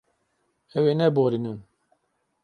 Ew ê neborînin.